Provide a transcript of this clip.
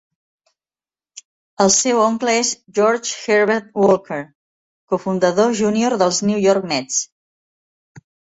El seu oncle és George Herbert Walker, cofundador Junior dels New York Mets.